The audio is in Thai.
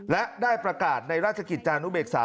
และได้ประกาศในราชกิจจานุเบกษา